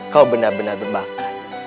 kau benar benar berbakat